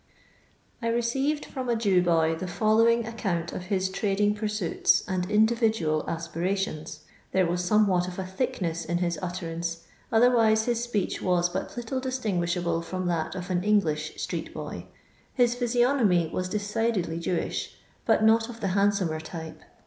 '' I received from a Jew boy the followimg ac count of his trading pursuits and individnal aspi rations. There was somewhat of a thickness in his uttersnce, otherwise his speech was but little dis tinguishable from that of an Bnglish street boy. His physiognomy was decidedly Jewish, bat not of the handsomer type.